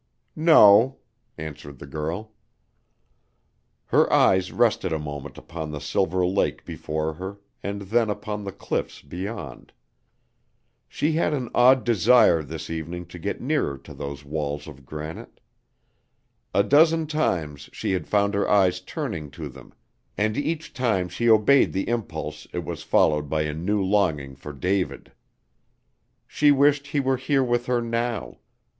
"No," answered the girl. Her eyes rested a moment upon the silver lake before her and then upon the cliffs beyond. She had an odd desire this evening to get nearer to those walls of granite. A dozen times she had found her eyes turning to them and each time she obeyed the impulse it was followed by a new longing for David. She wished he were here with her now.